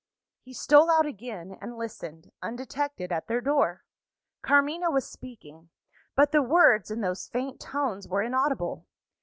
He stole out again, and listened, undetected, at their door. Carmina was speaking; but the words, in those faint tones, were inaudible.